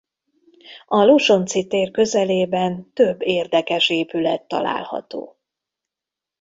A Losonczy tér közelében több érdekes épület található.